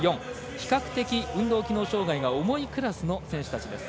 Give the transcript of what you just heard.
比較的、運動機能障がいが重いクラスの選手たちです。